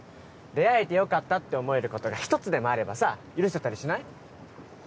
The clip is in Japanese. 出会えてよかったって思えることが一つでもあればさ許せたりしない？